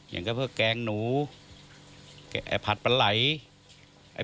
อย่างก็เพื่อแกงหนูผัดปลาย